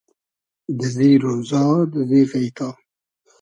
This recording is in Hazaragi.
دئزی رۉزا دئزی غݷتا